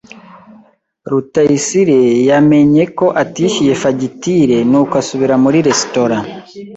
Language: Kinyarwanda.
Rutayisire yamenye ko atishyuye fagitire, nuko asubira muri resitora.